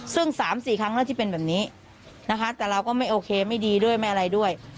ซึ่ง๓๔ครั้งแล้วที่เป็นแบบนี้นะคะแต่เราก็ไม่โอเคไม่ดีด้วยไม่อะไรด้วย